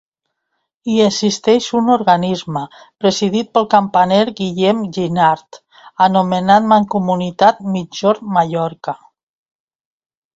Hi existeix un organisme, presidit pel campaner Guillem Ginard, anomenat Mancomunitat Migjorn Mallorca.